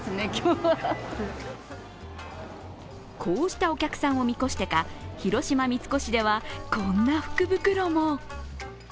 こうしたお客さんを見越してか、広島三越では、こんな福袋も。